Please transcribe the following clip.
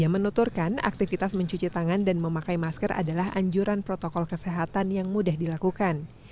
menuturkan aktivitas mencuci tangan dan memakai masker adalah anjuran protokol kesehatan yang mudah dilakukan